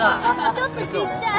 ちょっとちっちゃい！